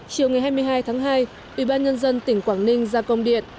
chiều ngày hai mươi hai tháng hai ủy ban nhân dân tỉnh quảng ninh ra công điện